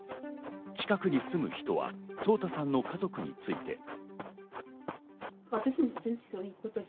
近くに住む人は颯太さんの家族について。